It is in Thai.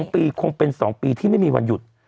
๑ปีคงเป็น๒ปีที่ไม่มีวันหยุด